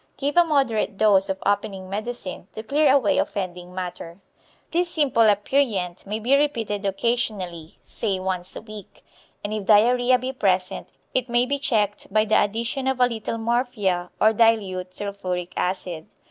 Give a moderate dose of opening medicine, to clear away offending matter. This simple aperient may be repeated occasionally, say once a week, and if diarrhoea be present it may be checked by the addition of a little morphia or dilute sulphuric acid.